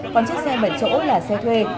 còn chiếc xe bảy chỗ là xe thuê